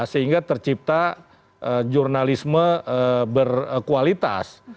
sehingga tercipta jurnalisme berkualitas